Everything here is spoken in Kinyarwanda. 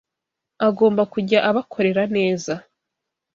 agomba kujya abakorera neza